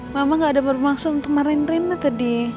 mama gak ada bermaksud untuk marahin rena tadi